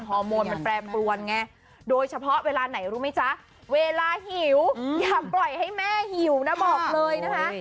ฮอร์โมนมันแปรปรวนไงโดยเฉพาะเวลาไหนรู้ไหมจ๊ะเวลาหิวอย่าปล่อยให้แม่หิวนะบอกเลยนะคะ